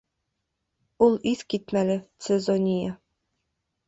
Ул иҫ китмәле, Цезония.